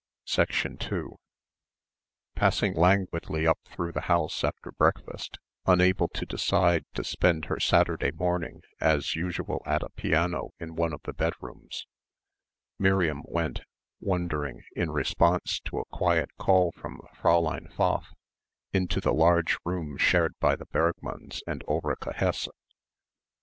2 Passing languidly up through the house after breakfast, unable to decide to spend her Saturday morning as usual at a piano in one of the bedrooms, Miriam went, wondering in response to a quiet call from Fräulein Pfaff into the large room shared by the Bergmanns and Ulrica Hesse.